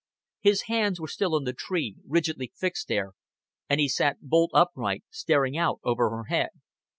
His hands were still on the tree, rigidly fixed there, and he sat bolt upright, staring out over her head.